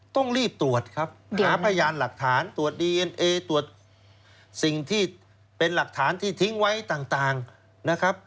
ต้องรีบตรวจครับหาพยานหลักฐานตรวจดีเอ็นเอตรวจสิ่งที่เป็นหลักฐานที่ทิ้งไว้ต่างนะครับ